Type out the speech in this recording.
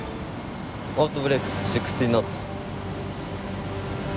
オートブレークス６０ノッツ。